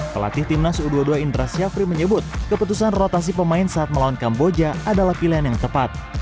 pelatih timnas u dua puluh dua indra syafri menyebut keputusan rotasi pemain saat melawan kamboja adalah pilihan yang tepat